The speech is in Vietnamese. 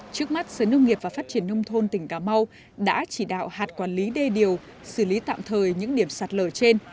trước mắt sở nông nghiệp và phát triển nông thôn tỉnh cà mau đã chỉ đạo hạt quản lý đê điều xử lý tạm thời những điểm sạt lở trên